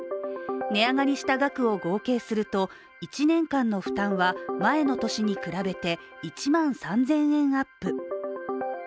値上がりした額を合計すると１年間の負担は前の年に比べて１万３０００円アップ。